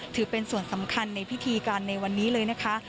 ถือเป็นส่วนสำคัญในพิธีการในวันนี้เลยนะคะ